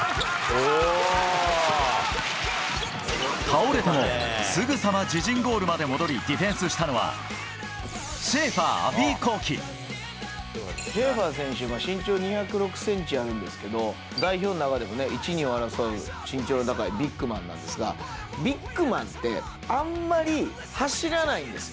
倒れても、すぐさま自陣ゴールまで戻り、ディフェンスしたのは、シェーファー選手、身長２０６センチあるんですけど、代表の中でも１、２を争う、身長の高いビッグマンなんですが、ビッグマンって、あんまり走らないんです。